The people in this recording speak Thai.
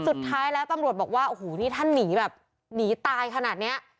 สุดท้ายแล้วตำรวจบอกว่าโอ้โหนี่ท่านหนีแบบหนีตายขนาดเนี้ย